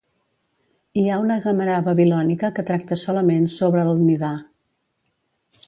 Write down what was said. Hi ha una Guemarà babilònica que tracta solament sobre el "Nidà".